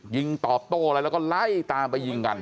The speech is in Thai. ยิงต่อโตแล้วก็ไล่ตามไปยิงกัน